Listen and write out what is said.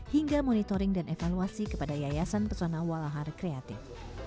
hingga monitoring dan evaluasi kepada yayasan pesona walahar kreatif